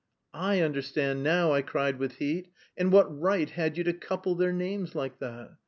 "I understand now!" I cried with heat. "And what right had you to couple their names like that?"